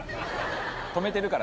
留めてるから。